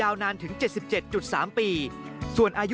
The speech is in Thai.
กลับวันนั้นไม่เอาหน่อย